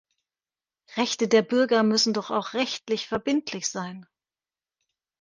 Rechte der Bürger müssen doch auch rechtlich verbindlich sein!